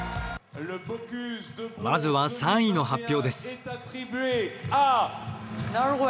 まずは３位の発表です。